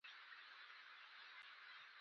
نوم یې سرور المحزون پر ایښی و.